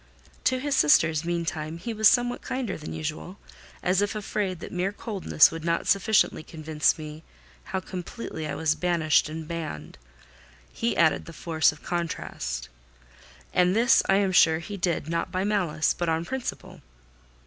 To his sisters, meantime, he was somewhat kinder than usual: as if afraid that mere coldness would not sufficiently convince me how completely I was banished and banned, he added the force of contrast; and this I am sure he did not by malice, but on principle.